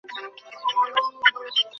সকালে তোমার কাছে ক্ষমা চাইবার সুযোগ হয়নি।